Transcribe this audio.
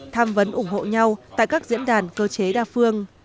tham vấn ủng hộ nhau tại các diễn đàn cơ chế đa phương